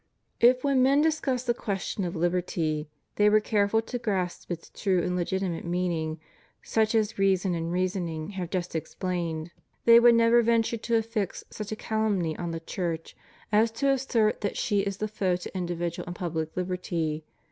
If when men discuss the question of liberty they were careful to grasp its true and legitimate meaning such as reason and reasoning have just explained, they would HUMAN LIBERTY. 145 never venture to affix such a calumny on the Church as to assert that she is the foe to individual and public liberty.